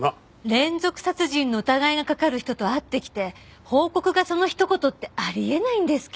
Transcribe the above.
連続殺人の疑いがかかる人と会ってきて報告がそのひと言ってあり得ないんですけど。